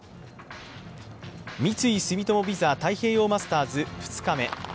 三井住友ＶＩＳＡ太平洋マスターズ２日目。